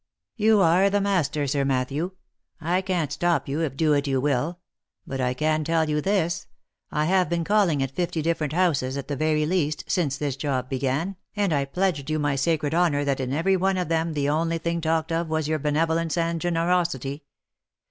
" You are the master, Sir Matthew. I can't stop you, if do it you will; but I can tell you this, I have been calling at fifty different houses, at the very least/ sincethis job began, and I pledge you my sacred honour that in every one of them the only thing talked of was your benevolence and generosity.